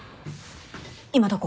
今どこ？